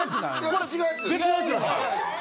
これ違うやつです。